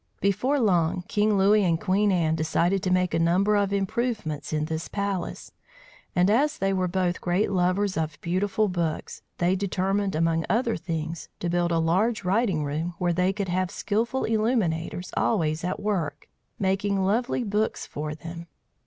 Before long, King Louis and Queen Anne decided to make a number of improvements in this palace; and as they both were great lovers of beautiful books, they determined, among other things, to build a large writing room where they could have skilful illuminators always at work making lovely books for them.